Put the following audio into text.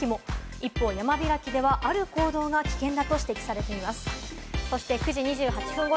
一方、山開きではある行動が危険だと指摘されています。